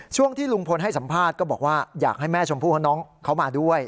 ช่วงที่ลุงพลให้สัมภาษณ์ก็บอกว่าอยากให้แม่ชมพู่ของน้องเขามาด้วย